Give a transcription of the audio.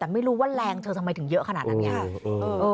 แต่ไม่รู้ว่าแรงเธอทำไมถึงเยอะขนาดนั้นไง